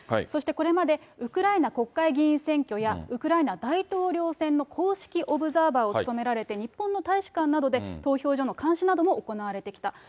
そしてこれまで、ウクライナ国会議員選挙や、ウクライナ大統領選の公式オブザーバーを務められて、日本の大使館などで投票所の監視なども行われてきた。